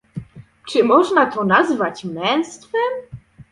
Czy można to nazwać męstwem?